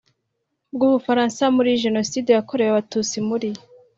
bw Ubufaransa muri Jenoside yakorewe Abatutsi muri